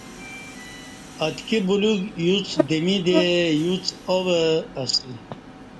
اتکی بلیوک یوڅ دمی دے یوڅ آو اسہ۔